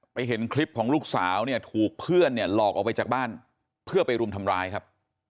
เห็นคลิปของลูกสาวเนี่ยถูกเพื่อนเนี่ยหลอกออกไปจากบ้านเพื่อไปรุมทำร้ายครับ